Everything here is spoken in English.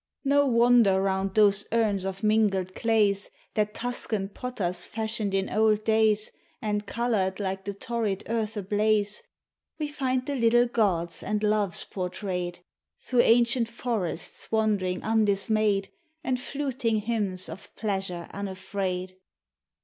YOUTH. 227 No wonder round those urns of mingled clays That Tuscan potters fashioued in old days, And colored like the torrid earth ablaze, We find the little gods and loves portrayed, Through ancient forests wandering undismayed, And tlutiug hymns of pleasure unafraid.